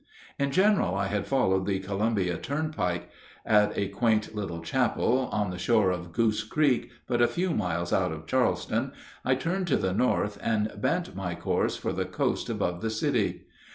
In general I had followed the Columbia turnpike; at a quaint little chapel on the shore of Goose Creek, but a few miles out of Charleston, I turned to the north and bent my course for the coast above the city.